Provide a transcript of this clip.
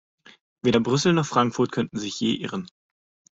Weder Brüssel noch Frankfurt könnten sich je irren.